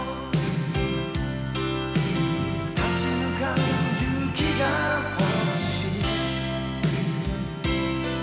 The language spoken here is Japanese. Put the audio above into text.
「立ち向かう勇気が欲しい」